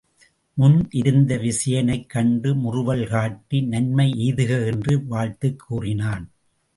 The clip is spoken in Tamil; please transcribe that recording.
முன் இருந்த விசயனைக் கண்டு முறுவல் காட்டி, நன்மை எய்துக என்று வாழ்த்துக் கூறினான்.